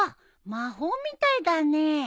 魔法みたいだねえ。